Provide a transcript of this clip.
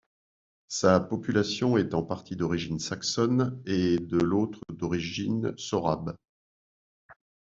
Sa population est en partie d'origine saxonne et de l'autre d'origine sorabe.